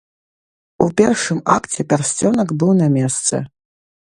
У першым акце пярсцёнак быў на месцы.